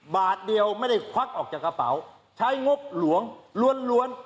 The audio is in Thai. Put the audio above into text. บาทเดียวไม่ได้ควักออกจากกระเป๋าใช้งบหลวงล้วน